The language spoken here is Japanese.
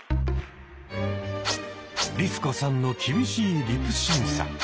リス子さんの厳しいリプ審査。